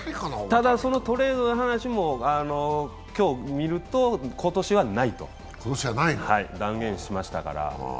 ただ、そのトレードの話も今日見ると、今年はないと断言しましたから。